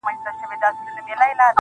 گراني اوس دي سترگي رانه پټي كړه